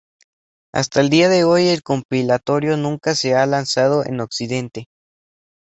Hasta el día de hoy el compilatorio nunca se ha lanzado en Occidente.